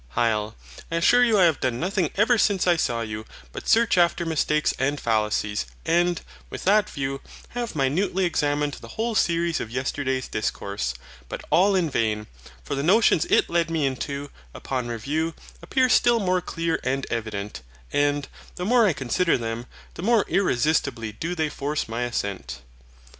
HYL. I assure you I have done nothing ever since I saw you but search after mistakes and fallacies, and, with that view, have minutely examined the whole series of yesterday's discourse: but all in vain, for the notions it led me into, upon review, appear still more clear and evident; and, the more I consider them, the more irresistibly do they force my assent.